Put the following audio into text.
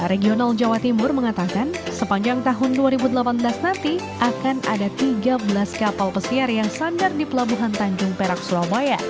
regional jawa timur mengatakan sepanjang tahun dua ribu delapan belas nanti akan ada tiga belas kapal pesiar yang sandar di pelabuhan tanjung perak surabaya